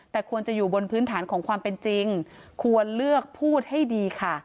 แต่ควรจะอยู่บนพื้นฐานของความเป็นจริงควรเลือกพูดให้ดีค่ะ